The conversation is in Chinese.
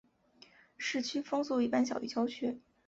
市区风速一般小于郊区。